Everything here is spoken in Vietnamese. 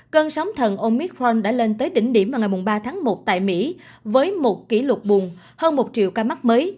cơn sóng thần omitron đã lên tới đỉnh điểm vào ngày ba tháng một tại mỹ với một kỷ lục bùng hơn một triệu ca mắc mới